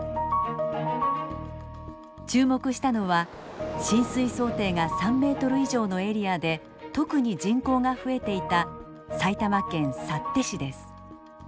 注目したのは浸水想定が３ｍ以上のエリアで特に人口が増えていた埼玉県幸手市です。